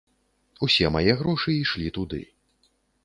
Усе мае грошы ішлі туды.